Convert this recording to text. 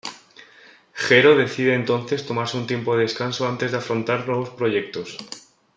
Jero decide entonces tomarse un tiempo de descanso antes de afrontar nuevos proyectos.